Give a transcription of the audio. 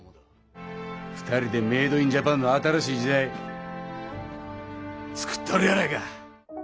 ２人でメイドインジャパンの新しい時代つくったろやないか。